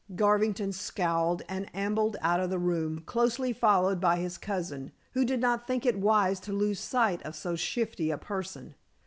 Garvington scowled and ambled out of the room, closely followed by his cousin, who did not think it wise to lose sight of so shifty a person.